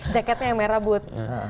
ceketnya merah bud